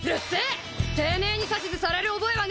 てめえに指図される覚えはねえブス！